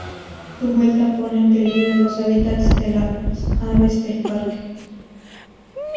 Su vuelta pone en peligro los hábitats de las aves del Parque.